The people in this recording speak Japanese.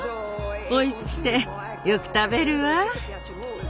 おいしくてよく食べるわ。